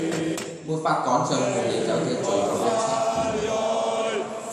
沒法趕上陪你走這最後一程